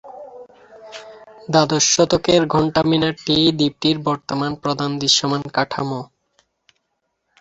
দ্বাদশ শতকের ঘণ্টা-মিনারটিই দ্বীপটির বর্তমান প্রধান দৃশ্যমান কাঠামো।